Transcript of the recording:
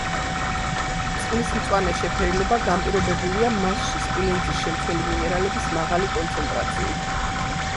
წყლის მწვანე შეფერილობა განპირობებულია მასში სპილენძის შემცველი მინერალების მაღალი კონცენტრაციით.